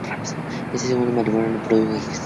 Este segundo matrimonio no produjo hijos.